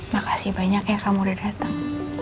makasih banyak ya kamu udah datang